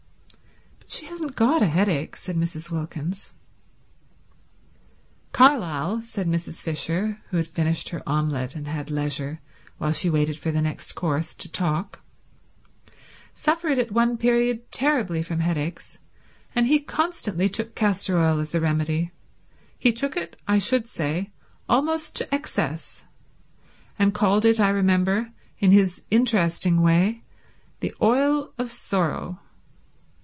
"But she hasn't got a headache," said Mrs. Wilkins. "Carlyle," said Mrs. Fisher, who had finished her omelette and had leisure, while she waited for the next course, to talk, "suffered at one period terribly from headaches, and he constantly took castor oil as a remedy. He took it, I should say, almost to excess, and called it, I remember, in his interesting way the oil of sorrow.